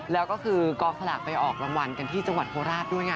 แล้วก็คือกองสลากไปออกรางวัลกันที่จังหวัดโคราชด้วยไง